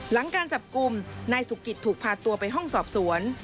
หลังการจับกลุ่มนายสุกิตถูกพาตัวไปห้องสอบสวน